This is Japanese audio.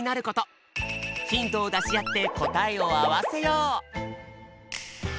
ヒントをだしあって答えを合わせよう！